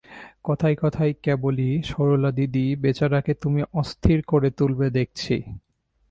কথায় কথায় কেবলই সরলাদিদি, বেচারাকে তুমি অস্থির করে তুলবে দেখছি।